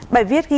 bài viết ghi là